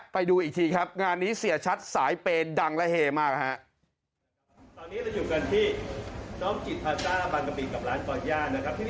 ไปดูอีกทีครับงานนี้เสียชัดสายเปย์ดังและเฮมากฮะ